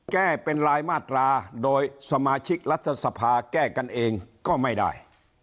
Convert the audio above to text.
แก้เป็นรายมาตราโดยสมาชิกรัฐสภาแก้กันเองก็ไม่ได้